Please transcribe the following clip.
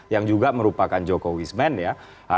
yang juga merupakan jokowismen ya